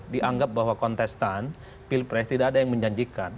dianggap bahwa kontestan pilpres tidak ada yang menjanjikan